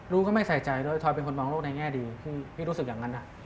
ก็ไม่ใส่ใจด้วยทอยเป็นคนมองโลกในแง่ดีคือพี่รู้สึกอย่างนั้น